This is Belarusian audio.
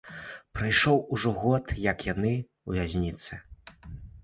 Прайшоў ужо год, як яны ў вязніцы.